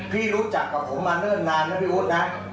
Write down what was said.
พี่รู้จักกับผมมาเนิ่นนานนะพี่อุ๋ฏ